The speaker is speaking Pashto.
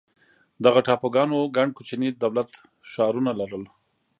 دغه ټاپوګانو ګڼ کوچني دولت ښارونه لرل.